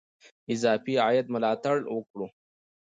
اضافي عاید ملاتړ وکړو.